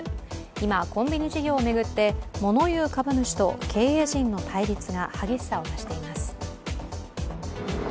今、コンビニ事業を巡って、物言う株主と経営陣の対立が激しさを増しています。